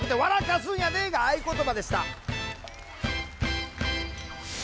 かすんやで」が合言葉でした。